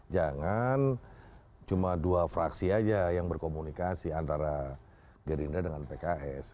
jangan cuma dua fraksi aja yang berkomunikasi antara gerindra dengan pks